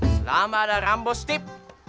selama ada rambut stip